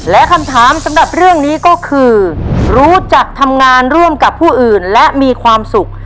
และคำถามสำหรับเรื่องนี้ก็คือรู้จักทำงานร่วมกับผู้อื่นและมีความสุข